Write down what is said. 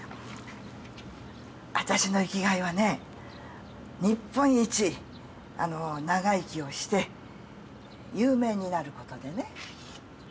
私の生きがいはね日本一長生きをして有名になることでね。